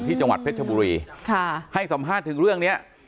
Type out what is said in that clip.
ที่จังหวัดเพชรบุรีให้สัมภาษณ์ถึงเรื่องนี้